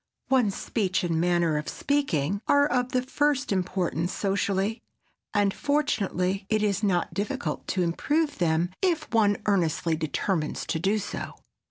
One's speech and manner of speaking are of the first importance socially, and fortunately it is not difficult to improve them if one earnestly determines to do so.